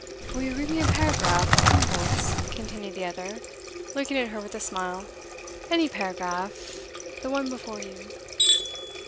'Will you read me a paragraph of Helmholtz?' continued the other, looking at her with a smile. 'Any paragraph, the one before you.